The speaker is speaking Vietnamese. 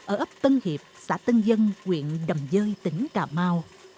ở ấp tân hiệp xã tân dân quyện đầm dơi tỉnh cà mau